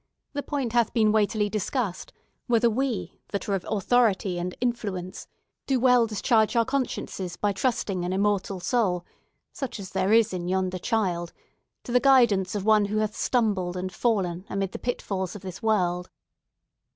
The point hath been weightily discussed, whether we, that are of authority and influence, do well discharge our consciences by trusting an immortal soul, such as there is in yonder child, to the guidance of one who hath stumbled and fallen amid the pitfalls of this world.